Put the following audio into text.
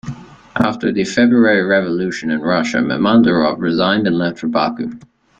After the February Revolution in Russia Mehmandarov resigned and left for Baku.